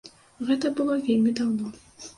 Гэта было вельмі даўно.